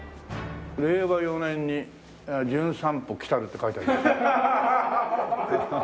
令和４年に『じゅん散歩』来たるって書いてあるよ。